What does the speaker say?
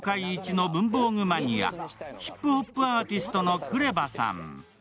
教えてくれたのは、芸能界一の文房具マニア、ヒップホップアーティストのＫＲＥＶＡさん。